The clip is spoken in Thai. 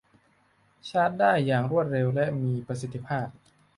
ชาร์จได้อย่างรวดเร็วและมีประสิทธิภาพ